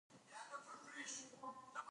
ماري کوري د خپل مېړه له مرسته کار کاوه.